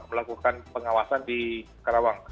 melakukan pengawasan di kerawang